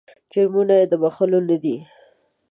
جرمونه یې د بخښلو نه دي.